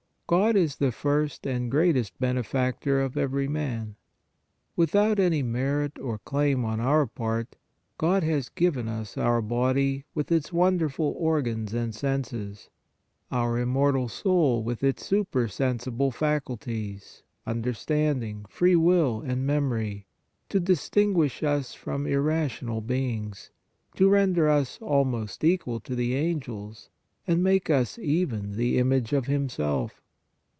GOD Is THE FIRST AND GREATEST BENE WHY WE SHOULD PRAY 9 FACTOR OF EVERY MAN. Without any merit or claim on our part, God has given us our body with its wonderful organs and senses, our immortal soul with its supersensible faculties, understanding, free will and memory, to distinguish us from irrational beings, to render us almost equal to the angels and make us even the image of Himself.